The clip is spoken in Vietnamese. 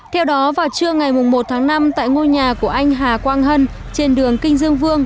theo đó vào trưa ngày một tháng năm tại ngôi nhà của anh hà quang hân trên đường kinh dương vương